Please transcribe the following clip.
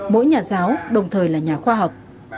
mỗi nhà giáo đồng thời là nhà khoa học